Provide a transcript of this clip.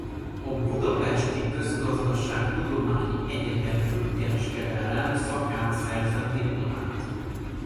A budapesti Közgazdaságtudományi Egyetem külkereskedelem szakán szerzett diplomát.